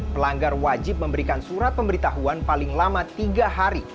pelanggar wajib memberikan surat pemberitahuan paling lama tiga hari